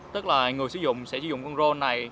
tức là người sử dụng sẽ sử dụng con roll này